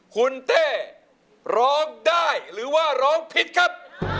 คุณเต้ร้องได้หรือว่าร้องผิดครับ